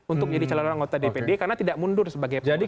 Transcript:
untuk jadi calon anggota dpd karena tidak mundur sebagai pengurus partai politik